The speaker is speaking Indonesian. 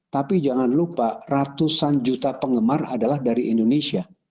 tapi jangan lupa ratusan juta penggemar adalah dari indonesia